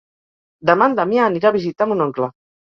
Demà en Damià anirà a visitar mon oncle.